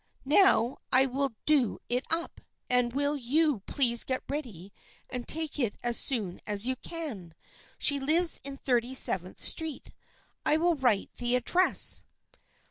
" Now I will do it up, and will you please get ready and take it as soon as you can. She lives in Thirty seventh Street. I will write the address."